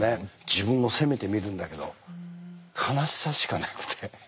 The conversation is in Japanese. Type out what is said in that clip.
自分も責めてみるんだけど悲しさしかなくて。